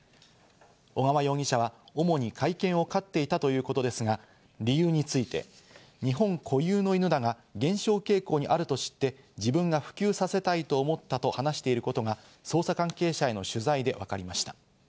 尾川容疑者は主に甲斐犬を飼っていたということですが、理由について、日本固有の犬だが減少傾向にあると知って、自分が普及させたいと思ったと話していることが捜査関係者への取材でわかりました。